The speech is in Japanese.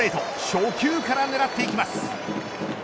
初球から狙っていきます。